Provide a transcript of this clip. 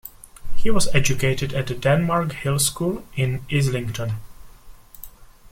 He was educated at the Denmark Hill school in Islington.